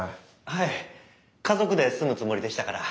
はい家族で住むつもりでしたから。